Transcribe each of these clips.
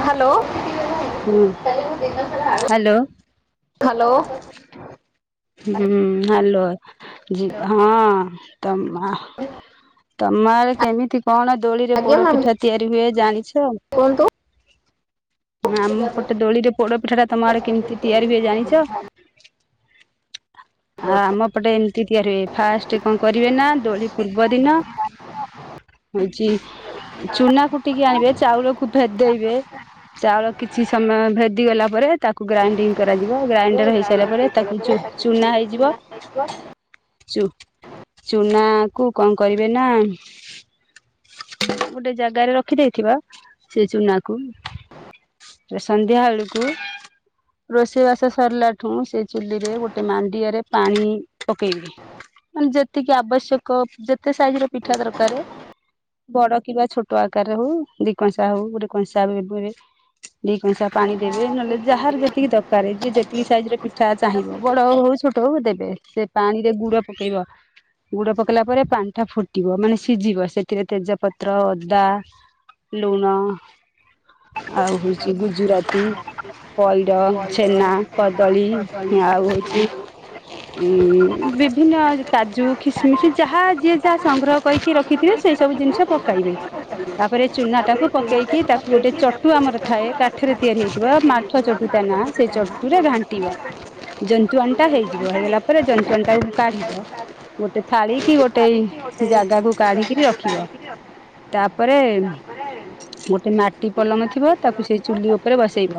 Hello ହୁଁ, hello. Hello ହୁଁ, hello, ଯି- ହଁ ତୋମ ତୋମ ଆଡେ କେମିତି କଣ ଦୋଳିରେ ଆଜ୍ଞା ମ୍ୟାମ୍ ପୋଡପିଠା ତିଆରି ହୁଏ ଜାଣିଛ? କୁହନ୍ତୁ। ନା ଆମ ପଟେ ଦୋଳି ରେ ପୋଡ ପିଠା ଟା ତୋମ ଆଡେ କେମିତି ତିଆରି ହୁଏ ଜାଣିଛ? ଆ, ଆମ ପଟେ ଏମିତି ତିଆରି ହୁଏ। ଫାଷ୍ଟ କଣ କରିବେ ନା ଦୋଳି ପୂର୍ବ ଦିନ ହଉଚି, ଚୁନା କୁଟିକି ଆଣିବେ, ଚାଉଳକୁ ଭେଦେଇବେ। ଚାଉଳ କିଛି ସମୟ ଭେଦି ଗଲା ପରେ ତାକୁ ଗ୍ରାଇଣ୍ଡିଙ୍ଗ କରାଯିବ। ଗ୍ରାଇଣ୍ଡର ହେଇସାରିଲା ପରେ ତାକୁ ଚୁ ଚୁନା ହେଇଯିବ। ଚୁ ଚୁନାକୁ କଣ କରିବେ ନା ଗୋଟେ ଜାଗାରେ ରଖି ଦେଇଥିବା ସେଇ ଚୁନା କୁ ସନ୍ଧ୍ୟାବେଳକୁ ରୋଷେଇ ବାସ ସରିଲାଠୁ ସେ ଚୁଲିରେ ଗୋଟେ ମାଣ୍ଡିଆରେ ପାଣି ପକେଇବେ। ମାନେ ଯେତିକି ଆବଶ୍ୟକ ଯେତେ ସାଇଜିର ପିଠା ଦରକାର୍ ବଡ଼ କିବା ଛୋଟ ଆକାରରେ ହଉ ଦିକଂସା ହଉ ଗୋଟେ କଂସା ଉପରେ ଦି କଂସା ପାଣି ଦେବେ ନହେଲେ ଯାହାର ଯେତିକି ଦ ରେ ଯିଏ ଯେତିକି ସାଇଜରେ ପିଠା ଚାହିଁବ ବଡ଼ ହଉ ଛୋଟ ହଉ ଦେବେ ସେପାଣିରେ ଗୁଡ଼ ପକେଇବ। ଗୁଡ଼ ପକେଇଲା ପରେ ପାଣି ଟା ଫୁଟିବ ମାନେ ସିଝିବ ସେଥିରେ ତେଜପତ୍ର ଅଦା ଲୁଣ ଆଉ ହଉଚି ଗୁଜୁରାତି ପଇଡ଼ ଛେନା କଦଳୀ ଆଉ ହଉଚି ଉଁ ବିଭିନ୍ନ କାଜୁ ଖିସିମିଶ ଯାହା ଯିଏ ଯାହା ସଂଗ୍ରହ କରିି ରଖିିଥିବେ ସେଇସବୁ ଜିନିଶ ପକାଇବେ ତାପରେ ଚୁନା ଟାକୁ ପକେଇକି ତାକୁ ଗୋଟେ ଚଟୁ ଆମର ଥାଏ କାଠରେ ତିଆରି ହେଇଥିବ ମାଠିଆ ଚଟୁତା ନା ସେ ଚଟୁରେ ଘାଣ୍ଟିବ। ଜନ୍ତୁଆଣିଟା ହେଇ ହେଇଗଲା ପରେ ଜନ୍ତୁଆଣି ଟାକୁ କାଢିବ ଗୋଟେ ଥାଳି କି ଗୋଟେ ଜାଗା କାଢିକରି ରଖିବ ତାପରେ ଗୋଟେ ମା ମାଟି ପଲଙ୍ଗ ଥିବ ତାକୁ ସେଇ ଚୁଲି ଉପରେ ବସେଇବ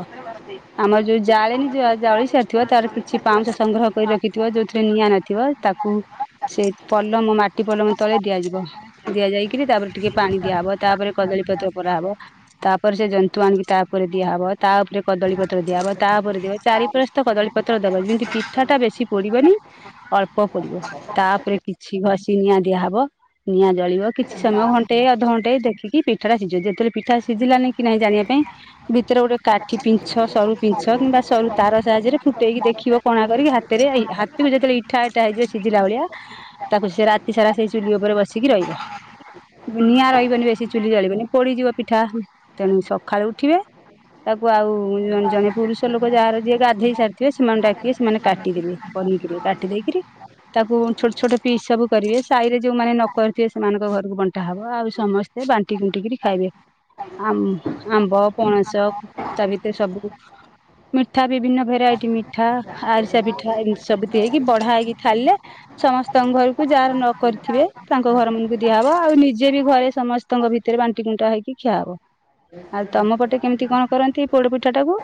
ଆମର ଯୋଉ ଜାଳେନୀ ଜ ଜଳିସାରି ଥିବ ତାର କିଛି ପାଉଁଶ ସଂଗ୍ରହ କରି ରଖିଥିବ ଯଉଥିରେ ନିଆଁ ନଥିବ ତାକୁ ସେଇ ପଲମ ମାଟି ପଲମ ତଳେ ଦିଆଯିବ। ଦିଆଯାଇକରି ତାପରେ ଟିକେ ପାଣି ଦିଆହବ ତାପରେ କଦଳୀପତ୍ର ପରାହବ ତାପରେ ସେ ଜନ୍ତୁ ଆଣିକି ତା ଉପରେ ଦିଆ ହବ ତା ଉପରେ କଦଳୀ ପତ୍ର ଦିଆହବ ତା ଉପରେ ଦି ଚାରିପରସ୍ତ କଦଳୀ ପତ୍ର ଦବ ଯେମିତି ପିଠା ଟା ବେଶୀ ପଡ଼ିବାନି ଅଳ୍ପ ପଡ଼ିବ ତାପରେ କିଛି ଘଷି ନିଆଁ ଦିଆହବ ନିଆଁ ଜଳିବ କିଛି ସମୟ ଘଣ୍ଟେ ଅଧଘଣ୍ଟେ ଦେଖିକି ପିଠା ଟା ସିଝିବ ଯେତେବେଳେ ପିଠା ସିଝିଲାନି କି ନାହିଁ ଜାଣିବା ପାଇଁ ଭିତରେ ଗୋଟେ କାଠି ପିଞ୍ଚ ସରୁ ପିଞ୍ଚ କିମ୍ବା ସୋନୁ ତାର ସାହାଜରେ ଫୁଟେଇକି ଦେଖିବ କଣା କରିକି ହାତରେ ହାତକୁ ଯେତେବେଳେ ଇଠା ଇଠା ହେଇଯିବ ସିଝିଲା ଭଳିଆ ତାକୁ ସେ ରାତି ସାରା ସେଇ ଚୁଲି ଉପରେ ବସିକି ରହିବ। ନିଆଁ ରହିବନି ବେଶୀ ଚୁଲି ଜାଳିବେନି ପୋଡ଼ିଯିବ ପିଠା ତେଣୁ ସକାଳୁ ଉଠିବେ ତାକୁ ଆଉ ଜଣେ ପୁରୁଷ ଲୋକ ଯାହାର ଯିଏ ଗାଧେଇ ସାରିଥିବେ ସେମାନେଙ୍କୁ ଡାକିବେ ସେମାନେ କାଟିଦେବେ। ପନିକିରେ କାଟି ଦେଇକିରି ତାକୁ ଛୋଟ ଛୋଟ ପିସ୍ ସବୁ କରିବେ ସାହି ରେ ଯୋଉମାନେ ନ କରିଥିବେ ସେମାନଙ୍କ ଘରକୁ ବଣ୍ଟା ହବ ଆଉ ସମସ୍ତ ସେ ବାଣ୍ଟି କୁଣ୍ଟିିକରି ଖାଇବେ। ଆ ଆମ୍ବ ପଣସ ତା ଭିତରେ ସବୁ ମିଠା ବିଭିନ୍ନ ଭେରାଇଟି ମିଠା ଆରି ତିଆ ପିଠା ଏମିତିସବୁ ଦେଇକି ବଢା ହେଇକି ଥିଳିଲେ ସମସ୍ତଙ୍କ ଘରକୁ ଯାହାର ନ କରିଥିବେ ତାଙ୍କ ଘର ମାନଙ୍କୁ ଦିଆହବ ଆଉ ନିଜେ ବି ଘରେ ସମ ତାଙ୍କ ଭିତରେ ବାଣ୍ଟି କୁଣ୍ଟା ହେଇକି ଖିଆ ହବ ଆଉ ତମ ପଟେ କେମିତି କଣ କରନ୍ତି ପୋଡ଼ ପିଠାଟାକୁ?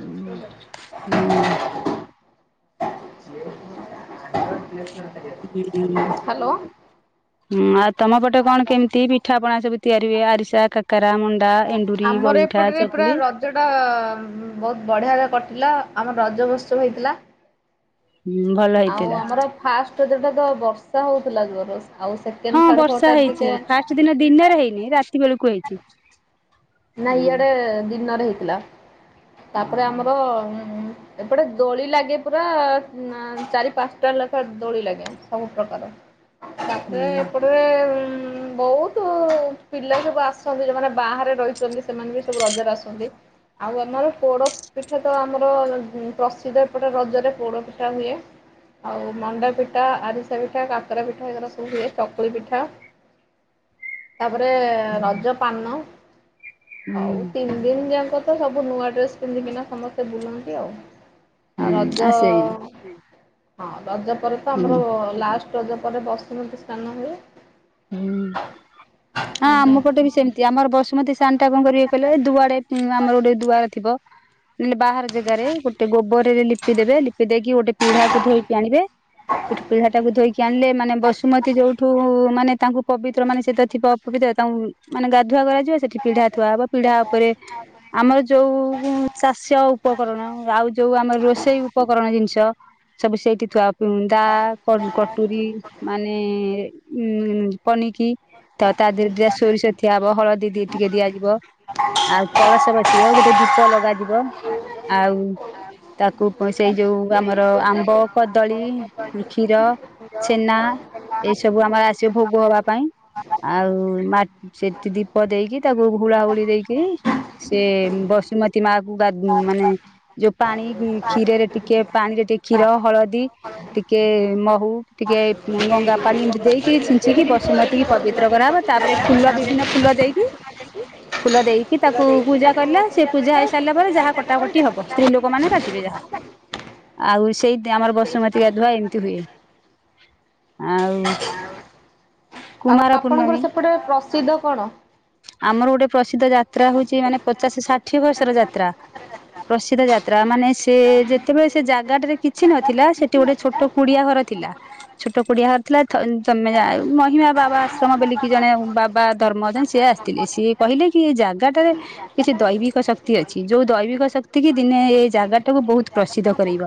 ହୁଁ ହୁଁ। [unintelligible] ହାଲୋ। [inaudible] ହୁଁ ଆଉ ତମ ପଟେ କଣ କେମିତି ପିଠା ପଣା ସବୁ ତିଆରି ହୁଏ ଆରିସା, କାକରା, ମଣ୍ଡା ଏମି ଆମର ଏପଟରେ ପୁରା ର ରଜଟା ବହୁତ୍ ବଢ଼ିଆରେ କଟିଲା ଆମର ରଜ ଉୋତ୍ସବ ହେଇଥିଲା। ହୁଁ ଭଲ ଆଉ ହେଇଥିଲା ଆମର ଫାଷ୍ଟେ ରଜଟାତ ବର୍ଷା ହଉଥିଲା ଜୋରେ ଆଉ ସେଖେ ହଁ ବର୍ଷା ହେଇଚି ଫାଷ୍ଟେ ଦିନ ଦିନରେ ହେଇନି ରାତି ବେଳକୁ ହେଇଚି। ନାଇ ଇଆଡ଼େ ଦିନରେ ହେଇଥିଲା ତାପରେ ଆମର ହୁଁ ଏପଟେ ଦୋଳି ଲାଗେ ପୁରା ଉଁ ଚାରି, ପାଂଶାଟା, ଲେଖା ଦୋଳି ଲାଗେ ସବୁ ପ୍ରକାର। [inaudible] ତାପରେ ଏପଟରେ ଉଁ ବୋଉ ବୋହୁତୁ ପିଲା ସବୁ ଆସନ୍ତି ଯୋଉମାନେ ବାହାରେ ରହିଚନ୍ତି ସେମାନେ ବି ସବୁ ରଜରେ ଆସନ୍ତି। ଆଉ ଆମର ପୋଡୋ ପିଠା ତ ଆମର ପ୍ରସିଦ୍ଧ ଏପଟେ ରଜରେ ପୋଡୋ ପିଠା ହୁଏ। ଆଉ ମଣ୍ଡା ପିଟା ଆରିସା ପିଠା କାକରା ପିଠା ଏଗାର ସବୁ ହୁଏ ଚକୁଳି ପିଠା। [inaudible] ତାପରେ ରଜ ପାନ ହୁଁ ଆଉ ତିନି ଦିନି ଯାଙ୍କ ତ ସବୁ ନୂଆ ଡ୍ରେସ୍ ପିନ୍ଧିକିନା ସମସ୍ତେ ବୁଲନ୍ତି ଆଉ। ଆଉ ହୁଁ ଆ ରଜ ସେଇ ହୁଁ ହଁ ରଜ ପରେ ତ ଆମର ହୁଁ ଲାଷ୍ଟ୍ ରଜ ପରେ ବସୁମତୀ ସ୍ନାନ ହୁଏ। ହୁଁ। ଆଁ ଆମ ଆଜ୍ଞା ପଟେ ବି ସେମିତି ଆମର ବସୁମତୀ ସାନ୍ ଟା କଁ କରିବେ କହିଲେ ଦୁଆରେ ଆମର ଗୋଟେ ଦୁଆର ଥିବ ନେ ବାହାର ଜେଗାରେ ଗୋଟେ ଗୋବରରେ ଲିପି ଦେବେ ଲିପି ଦେଇକି ଗୋଟେ ପିଢାକୁ ଧୋଇକି ଆଣିବେ ପିଢା ଟାକୁ ଧୋଇକି ଆଣିଲେ ମାନେ ବସୁମତୀ ଯୋଉଠୁ ମାନେ ତାଙ୍କୁ ପବିତ୍ର ମାନେ ସେ ତ ଥିବା ଅପବିତ୍ର ତାଙ୍କୁ ମାନେ ଗାଧୁଆ କରାଯା ବ ସେଠି ପିଢା ଥୁଆ ହବ ପିଢା ଓପୋରେ ଆମର ଯୋଉ ଚାଷ୍ୟ ଉପକରଣ ଆଉ ଯୋଉ ଆମର ରୋଷେଇ ଉପକରଣ ଜିନିଷ ସବୁ ସେଇଠି ଥୁଆ ହବ ଉଁ ଦା କନ୍ କଟୁରୀ ମାନେ ଉଁ ପନିକିି। ତ ତାହେରେ ଦିଟା ସୋରିଷ ଥିଆ ହବ ହଳଦୀ ଦି ଟିକେ ଦିଆଯିବ ଆଉ କଳସ ବସି ବ ଗୋଟେ ଦୀପ ଲଗାଯିବ ଆଉ ତାକୁ ପୁଣି ସେଇ ଯୋଉ ଆମର ଆମ୍ବ, କଦଳୀ, କ୍ଷୀର ଛେନା ଏଇ ସବୁ ଆମର ଆସିବ ଭୋଗୋ ହବା ପାଇଁ ଆଉ ମା ଚି ଟି ଦୀପ ଦେଇକି ତାକୁ ହୁଳାହୁଳି ଦେଇକି ସେ ବସୁମତୀ ମା କୁ ଗାଦ୍ ଉଁ ମାନେ ଯଉ ପାଣି କ୍ଷୀରେରେ ଟିକେ ପାଣିରେ ଟିକେ କ୍ଷୀର, ହଳଦୀ ଟିକେ ମହୁ ଟିକେ ଗଙ୍ଗା ପାଣି ଏମିତି ଦେଇକି ଛିଞ୍ଚିକି ବସୁମତୀ କି ପବିତ୍ର କରାହବ ତାପରେ ଫୁଲ ବିଭିନ୍ନ ଫୁଲ ଦେଇକି ଫୁଲ ଦେଇକି ତାକୁ ପୂଜା କଲେ ସେ ପୂଜା ହେଇସାରିଲା ପରେ ଯାହା କଟାକଟି ହବ ସ୍ତ୍ରୀ ଲୋକୋ ମାନେ କାଟ୍ ଟିବେ ଯାହା ଆଉ ସେଇ ଆମର ବସୁମତୀ ଗାଧୁଆ ଏମିତି ହୁଏ। ଆଉ। ଆଉ କୁମାର ଆପଣଙ୍କର ପୂର୍ଣ୍ଣମୀ ସେପଟେ ପ୍ରସିଦ୍ଧ କଣ? ଆମର ଗୋଟେ ପ୍ରସିଦ୍ଧ ଯାତ୍ରା ହୋଉଚି ମାନେ ପଚାଶ ଷାଠିଏ ବର୍ଷର ଯାତ୍ରା। ପ୍ରସିଦ୍ଧ ଯାତ୍ରା ମାନେ ସିଏ ଯେତେବେଳେ ସେ ଜାଗାଟେରେ କିଛି ନଥିଲା ସେଠି ଗୋଟେ ଛୋ ଟୋ କୁଡିଆ ଘର ଥିଲା ଛୋଟୋ କୁଡିଆ ଘର ଥିଲା ଥ ତମେ ଯା ମହିମା ବାବା ଆଶ୍ରମ ବେଲିକି ଜଣେ ବାବା [unintelligible] ସିଏ ଆସିଥିଲେ ସିଏ କହିଲେ କି ଏ ଜାଗାଟାରେ କିଛି ଦୈବିକ ଶକ୍ତି ଅଛି ଯୋଉ ଦୈବିକ ଶକ୍ତି କି ଦିନେ ଏଇ ଜାଗାଟାକୁ ବୋହୁତ ପ୍ରସିଦ୍ଧ କରେଇବ।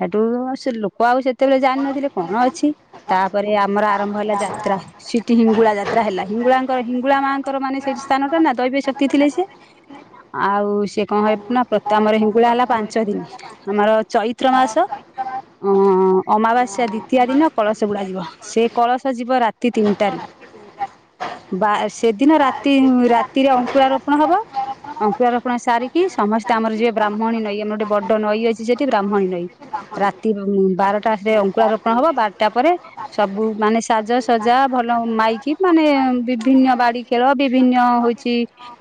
ହେଟୁ ସେ ଲୋକ ଆଉ ସେତେବେଳେ ଜାଣିନଥିଲେ କଣ ଅଛି ତାପରେ ଆମର ଆରମ୍ଭ ହେଲା ଯାତ୍ରା ସି ଠି ହିଙ୍ଗୁଳା ଯାତ୍ରା ହେଲା ହିଙ୍ଗୁଳାଙ୍କର ହିଙ୍ଗୁଳା ମାଙ୍କର ମାନେ ସେଇ ସ୍ଥାନ ଟା ନା ଦୈବି ଶକ୍ତି ଥିଲେ ସିଏ। ଆଉ ସିଏ କଁ ହେବ ନା ପ୍ର ଆମର ହିଙ୍ଗୁଳା ହେଲା ପାଞ୍ଚ ଦିନି ଆମର ଚୈତ୍ର ମାସ ଅଁ ଅମାବାସ୍ୟା ଦ୍ୱିତୀୟା ଦିନ କଳସ ବୁଡା ଯିବ ସେ କଳସ ଯିବ ରାତି ତିନିଟାରୁ। ବା ସେଦିନ ରାତି ରାତିରେ ଅଙ୍କୁଳା ରୋପଣ ହବ। ଅଙ୍କୁଳା ରୋପଣ ସାରିକି ସମସ୍ତେ ଆମର ଯିବେ ବ୍ରାହ୍ମଣୀ ନଈ ଆମର ଗୋଟେ ବଡ ନଈ ଅଛି ସେଠି ବ୍ରାହ୍ମଣୀ ନଈ। ରାତି ଉଁ ବାରଟାରେ ଅଙ୍କୁଳା ରୋପଣ ହବ ବାରଟା ପରେ ସବୁ ମାନେ ସାଜସଜା ଭଲ ମାଇକି ମାନେ ବିଭିନ୍ୟ ବାଡ଼ି ଖେଳ ବିଭିନ୍ୟ ହୋଉଚି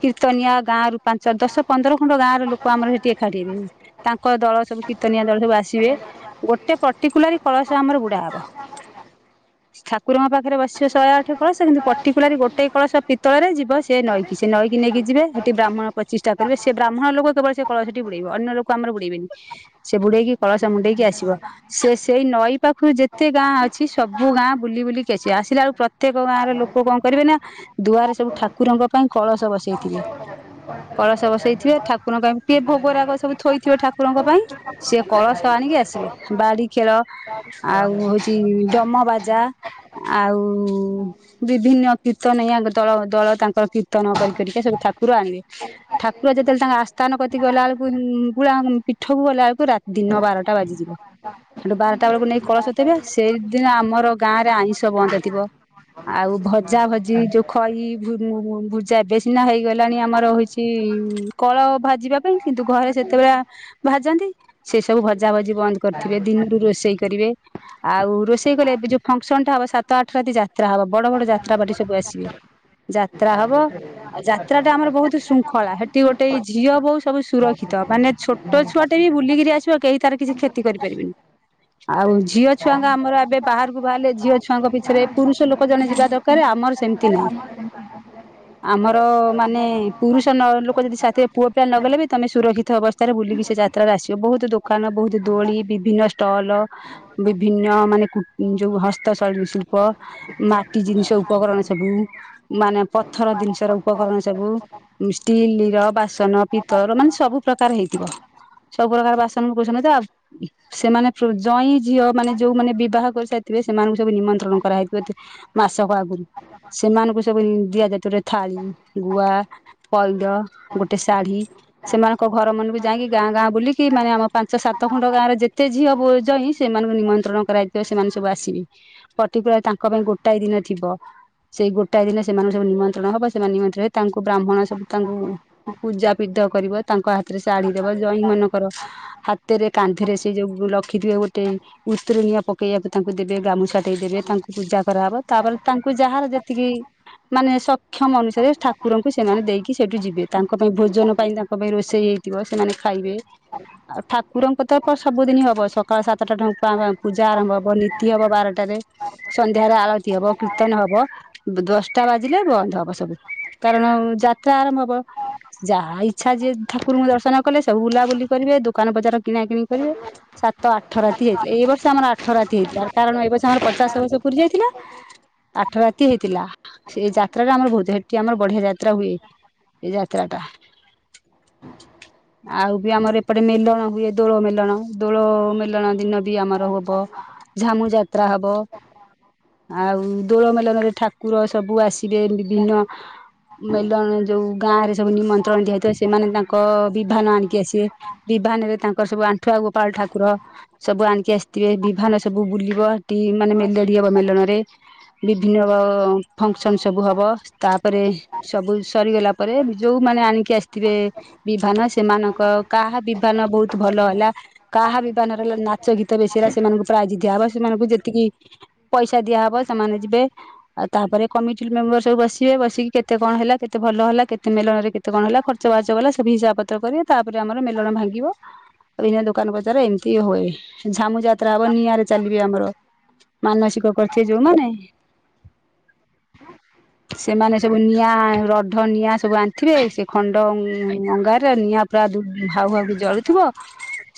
କୀର୍ତ୍ତନିଆ ଗାଁ ରୁ ପାଞ୍ଚ ଦଶ ପନ୍ଦର ଖଣ୍ଡ ଗାଁ ର ଲୋକ ଆମର ହେଟି ଏକାଠି ହେବେ। ତାଙ୍କ ଦଳ ସବୁ କୀର୍ତ୍ତନିଆ ଦଳ ସବୁ ଆସିବେ ଗୋଟେ ପର୍ଟିକୁଲାରି କଳସ ଆମର ବୁଡା ହବ। ଠାକୁରଙ୍କ ପାଖରେ ବସିବ ଶହେ ଆଠ କଳସ କିନ୍ତୁ ପର୍ଟିକୁଲାର ଗୋଟେ କଳସ ପିତଳରେ ଯିବ ସିଏ ନଇ କୁ। କି ସେ ନଈକ ନେଇକି ଯିବେ ହେଠି ବ୍ରାହ୍ମଣ ପ୍ରଚିଷ୍ଠା କରିବେ ସେ ବ୍ରାହ୍ମଣ ଲୋକ କେବଳ ସେ କଳସ ଟି ବୁଡେଇବ ଅନ୍ୟ ଲୋକ ଆମର ବୁଡେଇବେନି ସେ ବୁଡେଇକି କଳସ ମୁଣ୍ଡେଇକି ଆସିବ ସେ ସେଇ ନଈ ପାଖରୁ ଯେତେ ଗାଁ ଅଛି ସବୁ ସବୁ ଗାଁ ବୁଲି ବୁଲି କି ଆସିବେ। ଆସିଲା ବେଳକୁ ପ୍ରତ୍ୟକ ଗାଁ ଲୋକ କଣ କରିବେ ନା ଦୁଆରେ ସବୁ ଠାକୁରଙ୍କ ପାଇଁ କଳସ ବସେଇଥିବେ। କଳସ ବସେଇଥିବେ ଠାକୁରଙ୍କ ପାଇଁ କିଏ ଭୋଗରାଗ ସବୁ ଥୋଇଥିବେ ଠାକୁରଙ୍କ ପାଇଁ। ସିଏ କଳସ ଆଣିକି ଆସିବେ ବାଡି ଖେଳ ଆଉ ହଉଛି ଡମ ବାଜା ଆଉ ବିଭିନ୍ନ କୀର୍ତ୍ତନୀଆ ଦଳ ଦଳ ତାଙ୍କର କୀର୍ତ୍ତନ କରି କରିକି ସବୁ ଠାକୁର ଆଣିବେ। ଠାକୁର ଯେତେବେଳେ ତାଙ୍କ ଆସ୍ଥାନ କତି ଗଲା ବେଳକୁ ଗୁଳା ପୀଠକୁ ଗଲା ବେଳକୁ ରାତି ଦିନ ବାରଟା ବାଜିଯିବ। ହେଠୁ ବାରଟା ବେଳକୁ ନେଇ କଳସ ଥୋଇବେ ସେଇଦିନ ଆମର ଆମର ଗାଁ ରେ ଆଇଁଷ ବନ୍ଦ ଥିବ। ଆଉ ଭଜା ଭଜି ଯୋଉ ଖଇ ଭୁଜା ଏବେ ସିନା ହେଇଗଲାଣି ଆମର କଳ ଭାଜିବା ପାଇଁ କିନ୍ତୁ ଘରେ ଯେତେବେଳେ ଭାଜନ୍ତି। ସେ ସବୁ ଭଜା ଭଜି ବନ୍ଦ କରିଥିବେ, ଦିନରୁ ରୋଷେଇ କରିବେ ଆଉ ରୋଷେଇ କଲେ ଏବେ ଯୋଉ ଫଙ୍କସନ ଟା ହବ ସାତ ଆଠ ରାତି ଯାତ୍ରା ହବ ବଡ ବଡ ଯାତ୍ରା ପାର୍ଟି ସବୁ ଆସିବେ। ଯାତ୍ରା ହବ ଆଉ ଯାତ୍ରା ଟା ଆମର ବହୁତ ଶୃଙ୍ଖଳା। ସେଠି ଗୋଟେ ଝିଅ ବୋଉ ସବୁ ସୁରକ୍ଷିତ ମାନେ ଛୋଟ ଛୋଟ ଛୁଆ ଟେ ବି ବୁଲିକିରି ଆସିବ କେହି ତାର କିଛି କ୍ଷତି କରିପାରିବନି। ଆଉ ଝିଅ ଛୁଆଙ୍କ ଆମର ଏବେ ବାହାର ବାହରିଲେ ଝିଅ ଛୁଆଙ୍କ ପିଛରେ ପୁରୁଷ ଲୋକ ଜଣେ ଯିବା ଦରକାର ଆମର ସେମିତି ନହିଁ। ଆମର ମାନେ ପୁରୁଷ ଲୋକ ଯଦି ସାଥିରେ ପୁଅ ପିଲା ନଗଲେ ବି ତମେ ସୁରକ୍ଷିତ ଅବସ ରେ ବୁଲିକି ସେ ଯାତ୍ରାରେ ଆସିବ ବହୁତ ଦୋକାନ ବହୁତ ଦୋଳି ବିଭିନ୍ନ ଷ୍ଟଲ ବିଭିନ୍ନ ମାନେ କୁ ଯୋଉ ହସ୍ତଶୈଳ ଶିଳ୍ପ। ମାଟି ଜିନିଷ ଉପକରଣ ସବୁ ମାନେ ପଥର ଜିନିଷ ର ଉପକରଣ ସବୁ ଷ୍ଟିଲ ର ବାସନ ପିତଳ ର ମାନେ ସବୁ ପ୍ରକାର ହେଇଥିବ। ସବୁ ପ୍ରକାର ବାସନ କୁସନ ଆଉ ସେମାନେ ଜଇଁ ଝିଅ ମାନେ ଯୋଉମାନେ ବିବାହ କରି ଥିବେ ସେମାନଙ୍କୁ ସବୁ ନିମନ୍ତ୍ରଣ କରାହଇଥିବ ମାସକ ଆଗରୁ। ସେମାନଙ୍କୁ ସବୁ ଦିଆଯାଇଥିଵ ଗୋଟେ ଥାଳି ଗୁଆ ପଇଦ, ଗୋଟେ ଶାଢୀ। ସେମାନଙ୍କ ଘର ମନକୁ ଯାଇକି ଗାଁ ଗାଁ ବୁଲିକି ମାନେ ଆମ ପାଞ୍ଚ ସାତ ଖଣ୍ଡ ଗାଁରେ ଯେତେ ଝିଅ ଯଇଁ ସେମାନଙ୍କୁ ନିମନ୍ତ୍ରଣ କରାଯାଇଥିବ ସେମାନେ ସବୁ ଆସିବେ ପର୍ଟିକୁଲାର ତାଙ୍କ ପାଇଁ ଗୋଟାଏ ଦିନ ଥିବ। ସେଇ ଗୋଟାଏ ଦିନେ ସେମାନ ସବୁ ନିମନ୍ତ୍ରଣ ହବ ସେମାନେ ନିମନ୍ତ୍ରଣ ହ ତାଙ୍କୁ ବ୍ରାହ୍ମଣ ସବୁ ତାଙ୍କୁ ପୂଜା ପିଧ କରିବ, ତାଙ୍କ ହାତରେ ଶାଢ଼ୀ ଦବ ଜଇ ମନଙ୍କର ହାତରେ କାନ୍ଧରେ ସେ ଯୋଉ ରଖିଥିବେ ଗୋଟେ ଉତଣୀୟ ପ ପକେଇବାକୁ ତାଙ୍କୁ ଦେବେ ଗାମୁଛା ଟ ଦେବେ ତାଙ୍କୁ ପୂଜା କରାହବ ତାପରେ ତାଙ୍କୁ ଯାହାର ଯେତିକି ମାନେ ସକ୍ଷମ ଅନୁସାରେ ଠାକୁରଙ୍କୁ ସେମାନେ ଦେଇକି ସେଇଠୁ ଯିବେ ତାଙ୍କ ପାଇଁ ଭୋଜନ ପାଇଁ ତାଙ୍କ ପାଇଁ ରୋଷେଇ ହେ ବ ସେମାନେ ଖାଇବେ ଆଉ ଠାକୁରଙ୍କ ତରଫ ସବୁଦିନ ହବ ସକାଳ ସାତଟା ଠ ଢଙ୍କା ପୂଜା ଆରମ୍ଭ ହବ ନୀତି ହବ ବାରଟାରେ ସନ୍ଧ୍ୟାରେ ଆଳତିୀ ହବ କୀର୍ତ୍ତନ ହବ। ଦଶଟା ବାଜିଲେ ବନ୍ଦ ହବ ସବୁ। କାରଣ ଯାତ୍ରା ଆରମ୍ଭ ହବ। ଯାହା ଇଚ୍ଛା ଯିଏ ଠାକୁରଙ୍କୁ ଦର୍ଶନ କଲେ ସବୁ ବୁଲାବୁଲି କରିବେ ଦୋକାନ ବଜାର କିଣା କିିଣି କରିବେ ସାତ ଆଠ ରାତି ହେଇଥିଲେ ଏଇ ବର୍ଷ ଆମର ଆଠ ରାତି ହେଇଥିଲା। କାରଣ ଏ ବର୍ଷ ଆମର ପଚାଶ ବର୍ଷ ପୁରୀ ଯାଇଥିଲା ଆଠ ରାତି ହେଇଥିଲା ସେ ଯାତ୍ରା ଟା ଆମର ବହୁତ ସେଠି ଆମର ବଢିଆ ଯାତ୍ରା ହୁଏ। ଏ ଯାତ୍ରା ଟା। ଆଉ ବି ଆମର ଏପଟେ ମେଲଣ ହୁଏ ଦୋଳ ମେଲଣ ଦୋଳ ମେଲଣ ଦିନ ବି ଆମର ହବ। ହବ ଝାମୁ ଯାତ୍ରା ହବ। ଆଉ ଦୋଳ ମେଲନ ରେ ଠାକୁର ସବୁ ଆସିବେ ବିଭିନ୍ନ ମେଲଣ ଯୋଉ ଗାଁ ରେ ସବୁ ନିମନ୍ତ୍ରଣ ଦିଆଯାଇଥିବ ସେମାନେ ତାଙ୍କ ବିଭାନ ଆଣିକି ଆସିବେ। ବିଭାନରେ ତାଙ୍କର ସବୁ ଆଣ୍ଠୁଆ ଗୋପାଳ ଠାକୁର ସବୁ ଆଣିକି ଆସି ଥିବେ ବିଭାନ ସବୁ ବୁଲିବ ହେଟି ମାନେ ମେଲୋଡି ହବ ମେଲଣରେ। ବିଭିନ୍ନ ଫଙ୍କସନ ସବୁ ହବ ତାପରେ ସବୁ ସରିଗଲା ପରେ ଯୋଉମାନେ ଆଣିକି ଆସିଥିବେ ବିଭାନ ସେମାନଙ୍କ କାହା ବିଭାନ ବହୁତ ଭଲ ହେଲା କାହା ବିଭାନର ହେଲା ନାଚ ଗୀ ତ ବେଶୀ ହେଲା ସେମାନଙ୍କୁ ପ୍ରାଇଜ ଦିଆହ ହବ ସେମାନଙ୍କୁ ଯେତିକି ପଇସା ଦିଆହେବ ସେମାନେ ଯିବେ। ଆଉ ତାପରେ କମିଟି ମେମ୍ବର ସବୁ ବସିବେ ବସିକି କେତେ କଣ ହେଲା କେତେ ଭଲ ହେଲା କେତେ ମେଳନରେ କେ ତେ କଣ ହେଲା ଖର୍ଚ୍ଚ ବାର୍ଚ ଗଲା ସବୁ ହିସାବ ପତ୍ର କରିବେ ତାପରେ ଆମର ମେଲଣ ଭାଙ୍ଗିବ। ଏଇନା ଦୋକାନ ବଜାର ଏମିତି ହୁଏ ଝାମୁ ଯାତ୍ରା ହବ ନିଆଁରେ ଚାଲିବେ ଆମର। ମାନସିକ କରିଥିବେ ଯୋଉମାନେ ସେମାନେ ସବୁ ନିଆଁ ରଢ଼ ନିଆଁ ସବୁ ଆଣି ଥିବେ ସେ ଖଣ୍ଡ ଅ ଅଙ୍ଗାରରେ ନିଆଁ ପୁରା ଦୁ ହାଉ ହାଉ କି ଜଳୁଥିବ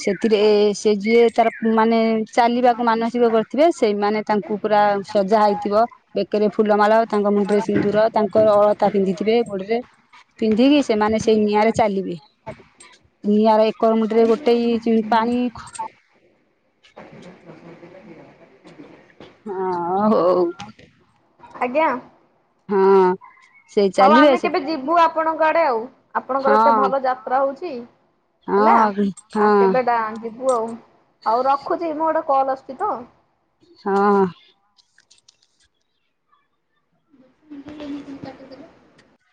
ସେତିରେ ସେ ଯିଏ ତାର ମାନେ ଚାଲିବାକୁ ମାନସିକ କରିଥିବେ ସେଇମାନେ ତାଙ୍କୁ ପୁରା ସଜା ହେଇଥିବ ବେକରେ ଫୁଲମାଳ ତାଙ୍କ ମୁଣ୍ଡରେ ସିନ୍ଦୁର ତାଙ୍କ ଅଳ ତା ପିନ୍ଧିଥିବେ ଗୋଡରେ ପିନ୍ଧିକି ସେମାନେ ସେଇ ନିଆଁ ରେ ଚାଲିବେ। ନିଆର ଏକର ମୁଣ୍ଡିରେ ଗୋଟେଏ ଚି ପାଣି [inaudible] ହଁ ହଉ। ଆଜ୍ଞା। ହଁ। ସେଇ ହଉ ଚାଲିବେ ଆମେ ସେ କେବେ ଯିବୁ ଆପଣଙ୍କ ଆଡେ ଆଉ ହଁ ଆପଣଙ୍କର ଏତେ ଭଲ ଯାତ୍ରା ହଉଛି। ହେଲା ହଁ ଆ ହଁ କେବେ ଡା ଯିବୁ ଆଉ ଆଉ ରଖୁଛି ମୁଁ ଗୋଟେ କଲ ଆସୁଛି ତ। ହଁ।